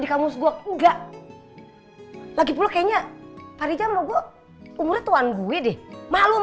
yang musguak enggak lagi puluh kayaknya hari jam mau gue umurnya tuan gue deh malu